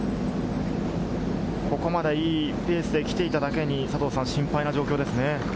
ここまでいいペースで来ていただけに心配な状況ですね。